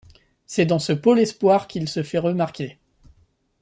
C'est dans ce pôle espoir qu'il se fait remarquer.